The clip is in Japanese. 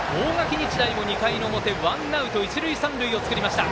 日大も２回の表ワンアウト、一塁三塁を作りました。